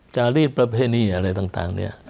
จารีตประเพณีอะไรต่าง